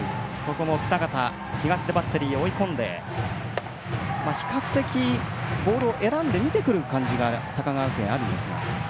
北方、東出バッテリーで追い込んで比較的ボールを選んで見てくる感じが高川学園はあるんですが。